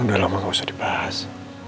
udah lama gak usah dibahas